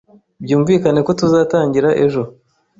Byumvikane ko tuzatangira ejo.